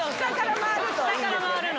下から回るの。